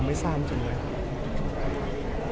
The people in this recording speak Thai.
สิมอาติกิริยากิจันทริตใจอะไรถึงบ้างไหม